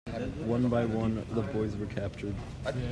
One by one the boys were captured.